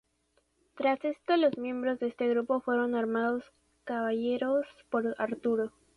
Tras esto los miembros de este grupo fueron armados caballeros por Arturo.